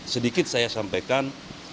sedikit saya sampaikan